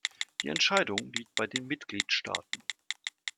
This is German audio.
Die Entscheidung liegt bei den Mitgliedstaaten.